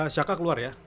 shaka keluar ya